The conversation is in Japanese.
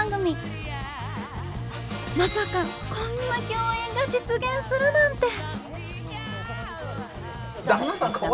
まさかこんな共演が実現するなんて！